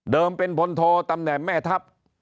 เป็นพลโทตำแหน่งแม่ทัพ